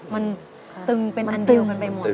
มันตึงเป็นอันดิวกันไปหมด